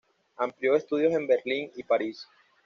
Amplió estudios en Berlín y París.